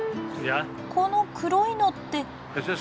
この黒いのって？